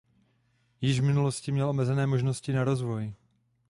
Již v minulosti měl omezené možnosti na rozvoj.